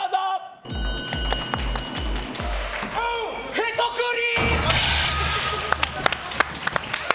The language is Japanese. へそくり！